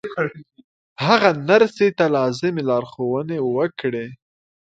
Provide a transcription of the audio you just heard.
هغه نرسې ته لازمې لارښوونې وکړې